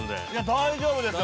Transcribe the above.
◆大丈夫ですよ。